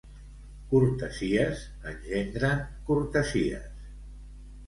Cortesies engendren cortesies.